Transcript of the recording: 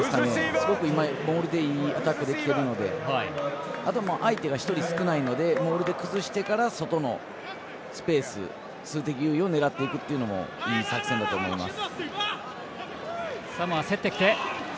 すごく今、モールでいいアタックできているので相手が１人少ないのでモールで崩してから相手のスペース数的優位を狙っていくいい作戦だと思います。